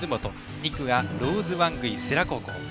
２区がローズ・ワングイ世羅高校。